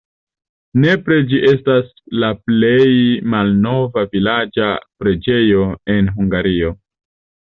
Nepre ĝi estas la plej malnova vilaĝa preĝejo en Hungario.